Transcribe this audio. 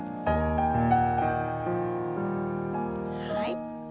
はい。